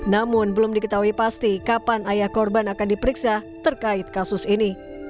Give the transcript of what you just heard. namun belum diketahui pasti kapan ayah korban akan diperiksa terkait kasus ini